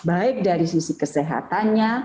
baik dari sisi kesehatan